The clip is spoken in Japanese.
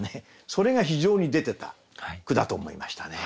それが非常に出てた句だと思いましたね。